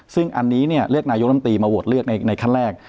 ซึ่งอันนี้เรียกนายโลมนิตย์มาโหวตเลือกในคันแรก